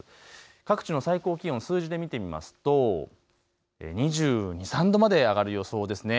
各地の最高気温、数字で見てみますと２２、２３度まで上がる予想ですね。